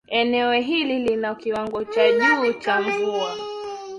eneo hili lina kiwango cha juu cha mvua